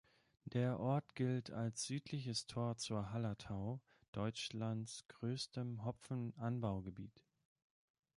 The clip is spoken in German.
Der Ort gilt als südliches Tor zur Hallertau, Deutschlands größtem Hopfenanbaugebiet.